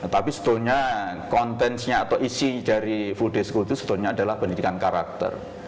tapi sebetulnya kontensnya atau isi dari full day school itu sebetulnya adalah pendidikan karakter